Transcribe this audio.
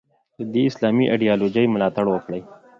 د دې اسلامي ایدیالوژۍ ملاتړ وکړي.